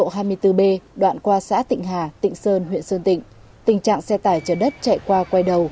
hội hai mươi bốn b đoạn qua xã tịnh hà tịnh sơn huyện sơn tịnh tình trạng xe tải chở đất chạy qua quay đầu